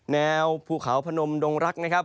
แนวภูเขาพนมดงรักนะครับ